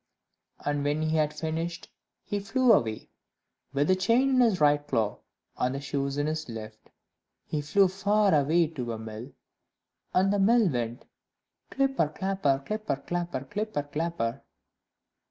And when he had finished, he flew away, with the chain in his right claw and the shoes in his left. He flew far away to a mill, and the mill went "Clipper, clapper, clipper, clapper, clipper, clapper."